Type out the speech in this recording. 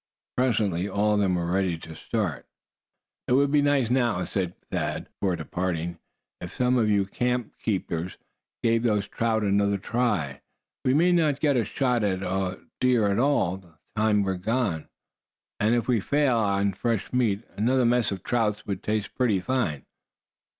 Presently all of them were ready to start. "It would be nice now," said Thad, before departing, "if some of you camp keepers gave those trout another try. We may not get a shot at a deer all the time we're gone; and if we fail on fresh meat, another mess of trout would taste pretty fine."